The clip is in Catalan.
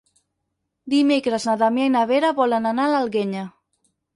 Dimecres na Damià i na Vera volen anar a l'Alguenya.